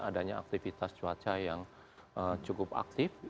adanya aktivitas cuaca yang cukup aktif